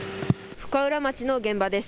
深浦町の現場です。